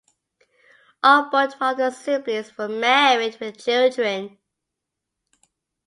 All but one of the siblings were married with children.